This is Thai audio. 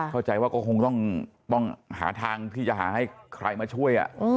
เข้าใจว่าก็คงต้องหาทางที่จะหาให้ใครมาช่วย